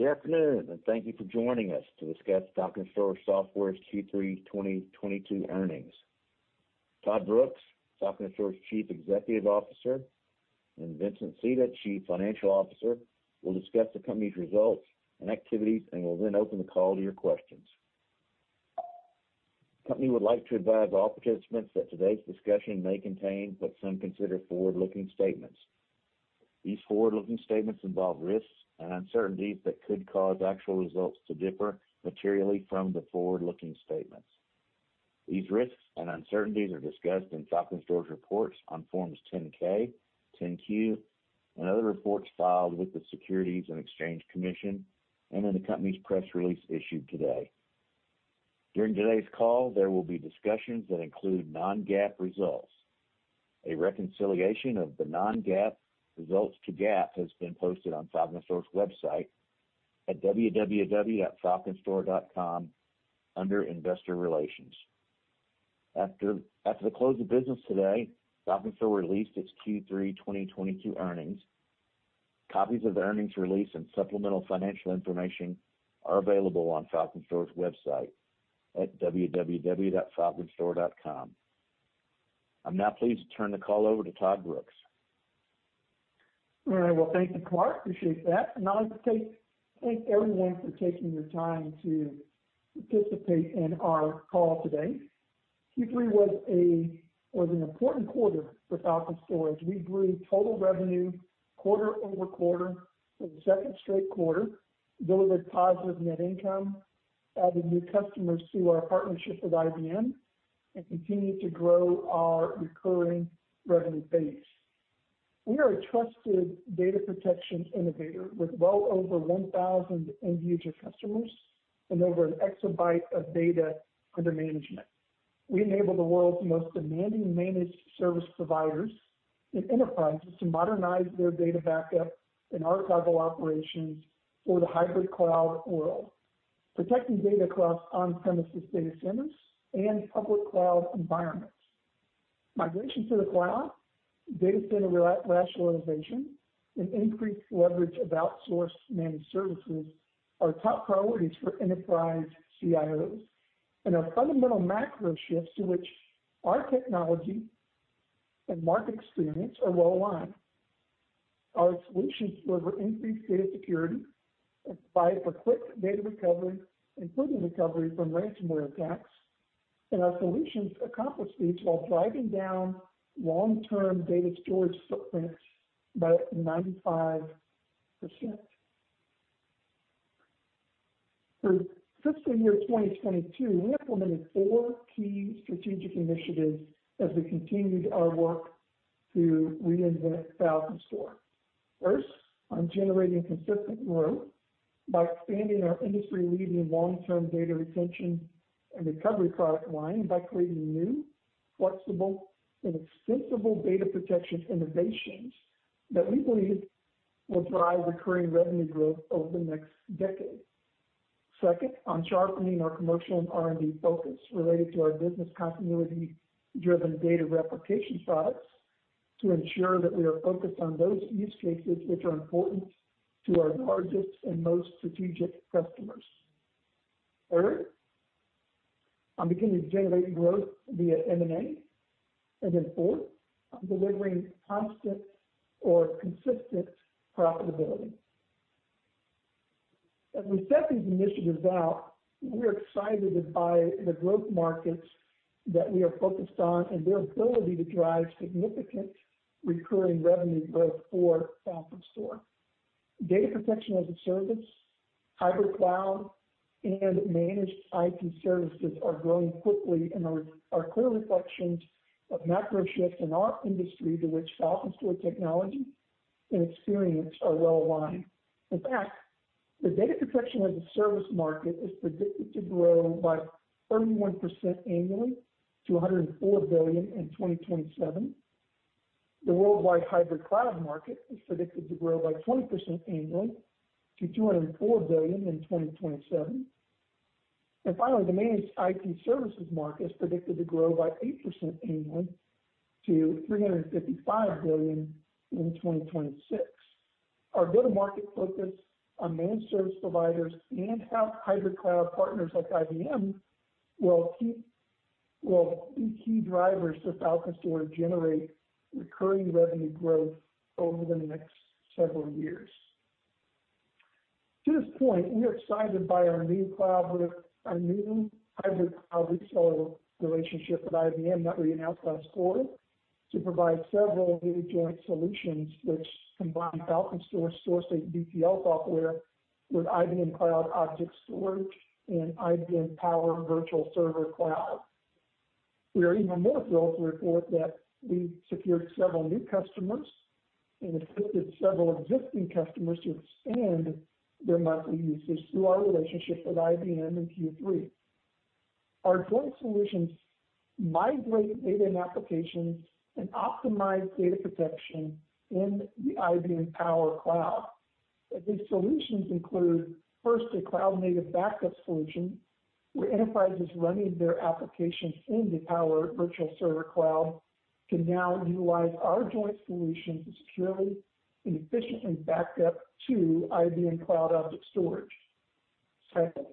Good afternoon, and thank you for joining us to discuss FalconStor Software's Q3 2022 earnings. Todd Brooks, FalconStor Software Chief Executive Officer, and Vincent Sita, Chief Financial Officer, will discuss the company's results and activities and will then open the call to your questions. The company would like to advise all participants that today's discussion may contain what some consider forward-looking statements. These forward-looking statements involve risks and uncertainties that could cause actual results to differ materially from the forward-looking statements. These risks and uncertainties are discussed in FalconStor Software reports on Forms 10-K, 10-Q, and other reports filed with the Securities and Exchange Commission and in the company's press release issued today. During today's call, there will be discussions that include non-GAAP results. A reconciliation of the non-GAAP results to GAAP has been posted on FalconStor Software's website at www.falconstor.com under Investor Relations. After the close of business today, FalconStor released its Q3 2022 earnings. Copies of the earnings release and supplemental financial information are available on FalconStor's website at www.falconstor.com. I'm now pleased to turn the call over to Todd Brooks. All right. Well, thank you, Clark. Appreciate that. I'd like to thank everyone for taking your time to participate in our call today. Q3 was an important quarter for FalconStor. We grew total revenue quarter-over-quarter for the second straight quarter, delivered positive net income, added new customers through our partnership with IBM and continued to grow our recurring revenue base. We are a trusted data protection innovator with well over 1,000 end user customers and over an exabyte of data under management. We enable the world's most demanding managed service providers and enterprises to modernize their data backup and archival operations for the hybrid cloud world, protecting data across on-premises data centers and public cloud environments. Migration to the cloud, data center rationalization, and increased leverage of outsourced managed services are top priorities for enterprise CIOs and are fundamental macro shifts to which our technology and market experience are well aligned. Our solutions deliver increased data security and provide for quick data recovery including recovery from ransomware attacks, and our solutions accomplish these while driving down long-term data storage footprints by 95%. For fiscal year 2022, we implemented four key strategic initiatives as we continued our work to reinvent FalconStor. First, on generating consistent growth by expanding our industry-leading long-term data retention and recovery product line by creating new, flexible, and extensible data protection innovations that we believe will drive recurring revenue growth over the next decade. Second, on sharpening our commercial and R&D focus related to our business continuity-driven data replication products to ensure that we are focused on those use cases which are important to our largest and most strategic customers. Third, on beginning to generate growth via M&A. Fourth, on delivering constant or consistent profitability. As we set these initiatives out, we're excited by the growth markets that we are focused on and their ability to drive significant recurring revenue growth for FalconStor. Data protection as a service, hybrid cloud, and managed IT services are growing quickly and are clear reflections of macro shifts in our industry to which FalconStor technology and experience are well aligned. In fact, the data protection as a service market is predicted to grow by 31% annually to $104 billion in 2027. The worldwide hybrid cloud market is predicted to grow by 20% annually to $204 billion in 2027. Finally, the managed IT services market is predicted to grow by 8% annually to $355 billion in 2026. Our go-to-market focus on managed service providers and hybrid cloud partners like IBM will be key drivers to FalconStor generate recurring revenue growth over the next several years. To this point, we are excited by our new hybrid cloud reseller relationship with IBM that we announced last quarter to provide several new joint solutions which combine FalconStor StorSafe and VTL software with IBM Cloud Object Storage and IBM Power Virtual Server cloud. We are even more thrilled to report that we secured several new customers and assisted several existing customers to expand their monthly usage through our relationship with IBM in Q3. Our joint solutions migrate data and applications and optimize data protection in the IBM Power Cloud. These solutions include, first, a cloud-native backup solution where enterprises running their applications in the Power Virtual Server cloud can now utilize our joint solution to securely and efficiently back up to IBM Cloud Object Storage. Second,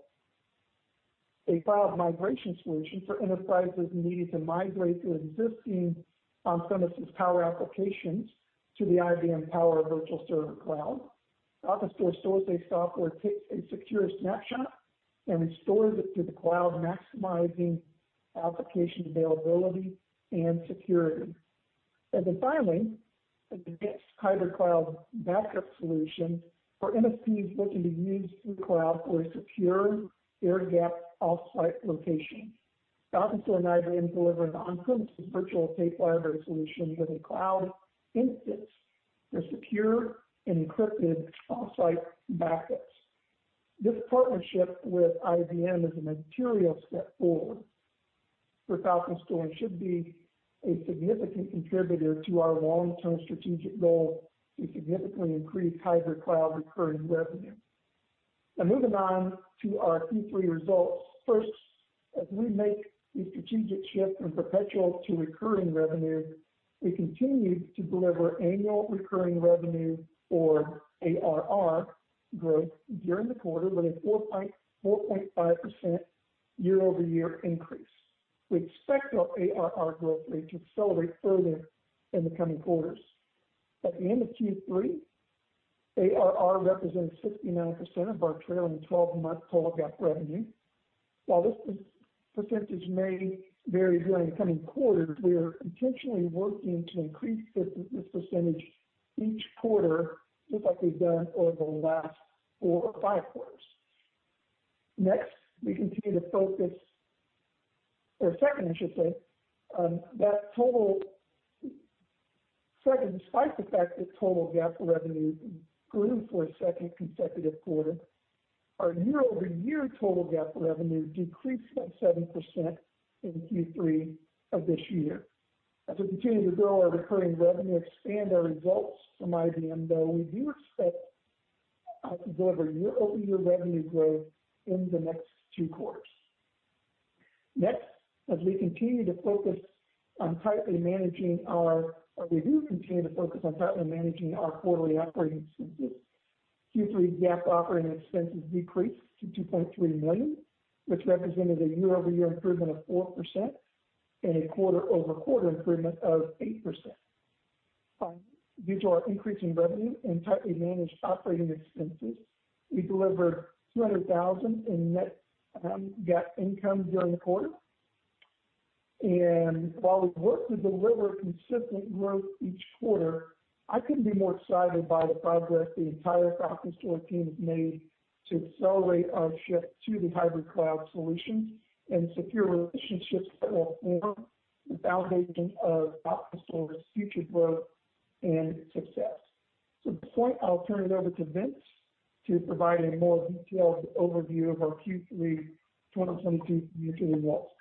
a cloud migration solution for enterprises needing to migrate their existing on-premises Power applications to the IBM Power Virtual Server cloud. FalconStor Software takes a secure snapshot, and restores it to the cloud, maximizing application availability and security. Finally, an advanced hybrid cloud backup solution for MSPs looking to use the cloud for a secure air-gapped off-site location. FalconStor and IBM deliver an on-premises virtual tape library solution with a cloud instance for secure and encrypted off-site backups. This partnership with IBM is a material step forward for FalconStor and should be a significant contributor to our long-term strategic goal to significantly increase hybrid cloud recurring revenue. Now moving on to our Q3 results. First, as we make the strategic shift from perpetual to recurring revenue, we continued to deliver annual recurring revenue, or ARR growth, during the quarter with a 4.5% year-over-year increase. We expect our ARR growth rate to accelerate further in the coming quarters. At the end of Q3, ARR represents 69% of our trailing twelve-month total GAAP revenue. While this percentage may vary during the coming quarters, we are intentionally working to increase this percentage each quarter, just like we've done over the last four or five quarters. Second, despite the fact that total GAAP revenue grew for a second consecutive quarter, our year-over-year total GAAP revenue decreased by 7% in Q3 of this year. As we continue to grow our recurring revenue, expand our results from IBM, though we do expect to deliver year-over-year revenue growth in the next two quarters. Next, we do continue to focus on tightly managing our quarterly operating expenses. Q3 GAAP operating expenses decreased to $2.3 million, which represented a year-over-year improvement of 4% and a quarter-over-quarter improvement of 8%. Finally, due to our increasing revenue and tightly managed operating expenses, we delivered $200,000 in net GAAP income during the quarter. While we work to deliver consistent growth each quarter, I couldn't be more excited by the progress the entire FalconStor team has made to accelerate our shift to the hybrid cloud solutions and secure relationships that will form the foundation of FalconStor's future growth and success. At this point, I'll turn it over to Vince to provide a more detailed overview of our Q3 2022 quarterly results.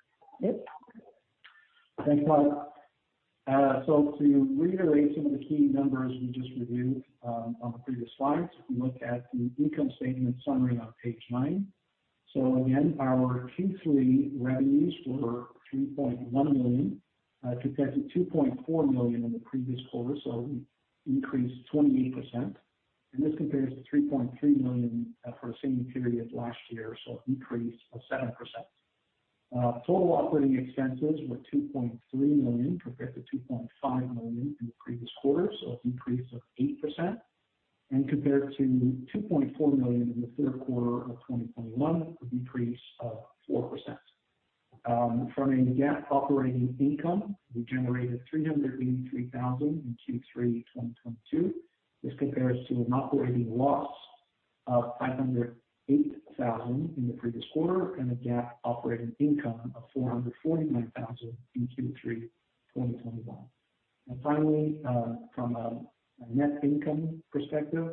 Vince? Thanks, Todd. To reiterate some of the key numbers we just reviewed, on the previous slides, if we look at the income statement summary on page 9. Again, our Q3 revenues were $3.1 million, compared to $2.4 million in the previous quarter, so an increase of 28%. This compares to $3.3 million for the same period last year, so an increase of 7%. Total operating expenses were $2.3 million, compared to $2.5 million in the previous quarter, so an increase of 8%, and compared to $2.4 million in the third quarter of 2021, a decrease of 4%. From a GAAP operating income, we generated $383 thousand in Q3 2022. This compares to an operating loss of $508 thousand in the previous quarter and a GAAP operating income of $449 thousand in Q3 2021. Finally, from a net income perspective,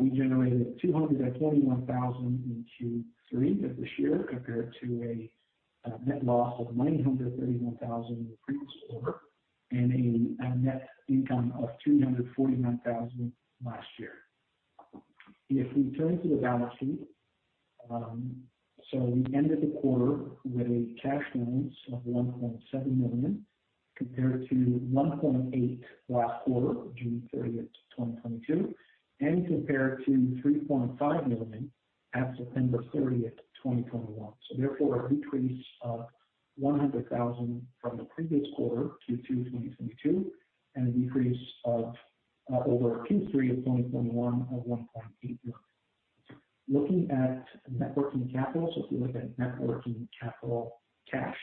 we generated $221 thousand in Q3 of this year, compared to a net loss of $931 thousand in the previous quarter and a net income of $249 thousand last year. If we turn to the balance sheet, so we ended the quarter with a cash balance of $1.7 million, compared to $1.8 million last quarter, June 13th, 2022, and compared to $3.5 million at September 13th, 2021. Therefore, a decrease of $100,000 from the previous quarter, Q2 2022, and a decrease of over Q3 2021 of $1.8 million. Looking at net working capital, if we look at net working capital cash,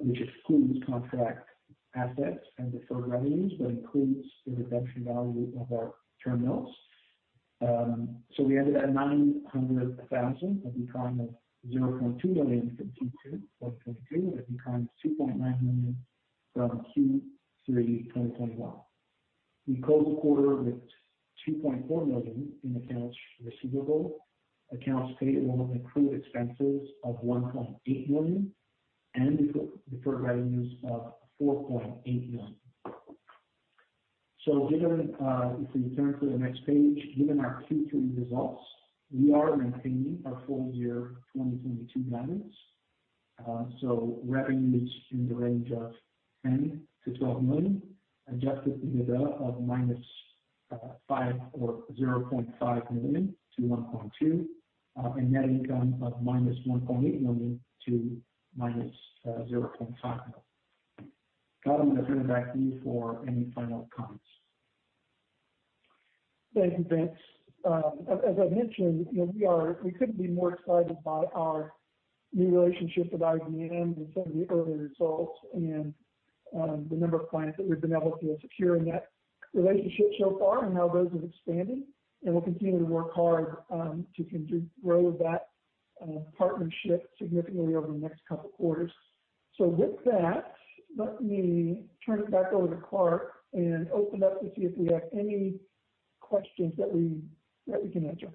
which excludes contract assets and deferred revenues, but includes the redemption value of our term notes. We ended at $900,000, a decline of $0.2 million from Q2 2022 and a decline of $2.9 million from Q3 2021. We closed the quarter with $2.4 million in accounts receivable, accounts payable and accrued expenses of $1.8 million, and deferred revenues of $4.8 million. Given, if we turn to the next page, given our Q3 results we are maintaining our full year 2022 guidance. Revenue is in the range of $10 million-$12 million. Adjusted EBITDA of -$0.5 million to $1.2 million. Net income of -$1.8 million to -$0.5 million. Todd, I'm gonna turn it back to you for any final comments. Thank you, Vince. As I mentioned, you know, we couldn't be more excited by our new relationship with IBM and some of the early results and the number of clients that we've been able to secure in that relationship so far and how those are expanding. We'll continue to work hard to grow that partnership significantly over the next couple quarters. With that, let me turn it back over to Clark and open up to see if we have any questions that we can answer.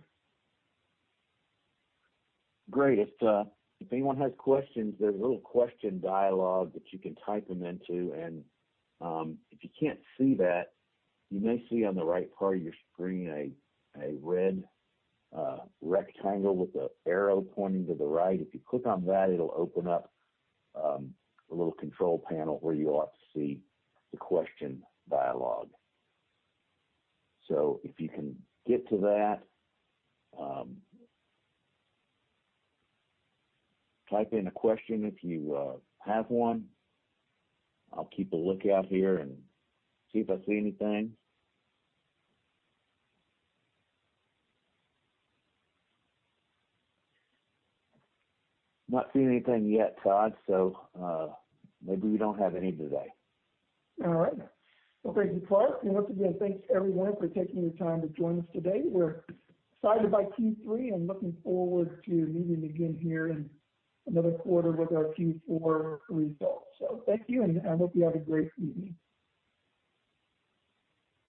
Great. If anyone has questions, there's a little question dialog that you can type them into. If you can't see that, you may see on the right part of your screen a red rectangle with an arrow pointing to the right. If you click on that, it'll open up a little control panel where you ought to see the question dialog. If you can get to that, type in a question if you have one. I'll keep a lookout here and see if I see anything. Not seeing anything yet, Todd, maybe we don't have any today. All right. Well, thank you, Clark. Once again, thanks everyone for taking the time to join us today. We're excited by Q3 and looking forward to meeting again here in another quarter with our Q4 results. Thank you, and I hope you have a great evening.